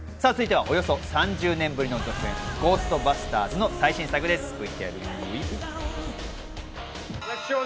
続いてはおよそ３０年ぶりの続編『ゴーストバスターズ』の最新作です。